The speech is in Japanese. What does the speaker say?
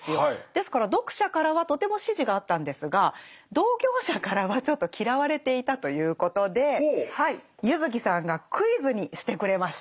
ですから読者からはとても支持があったんですが同業者からはちょっと嫌われていたということで柚木さんがクイズにしてくれました。